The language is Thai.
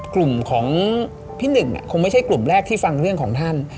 กลุ่มของพี่หนึ่งคงไม่ใช่กลุ่มแรกที่ฟังเรื่องของท่าน